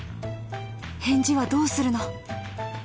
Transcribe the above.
返事はどうするの？